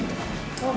あっ。